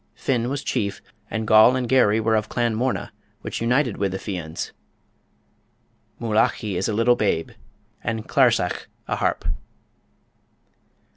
Finn was chief, and Goll and Garry were of Clan Morna, which united with the Fians. "Moolachie" is a little babe, and "clarsach," a harp.